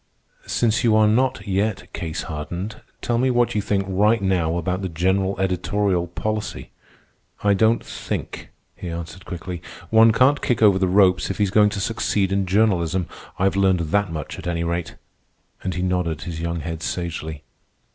"Since you are not yet case hardened, tell me what you think right now about the general editorial policy." "I don't think," he answered quickly. "One can't kick over the ropes if he's going to succeed in journalism. I've learned that much, at any rate." And he nodded his young head sagely.